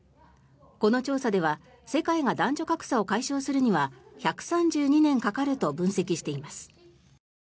この調査では世界が男女格差を解消するには１３２年かかると分析しています。